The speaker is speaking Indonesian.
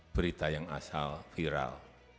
berita yang asal viral